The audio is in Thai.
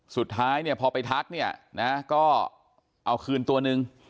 สุดท้ายพอไปทักก็เอาคืนตัวหนึ่ง